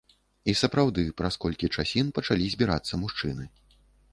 І сапраўды, праз колькі часін пачалі збірацца мужчыны.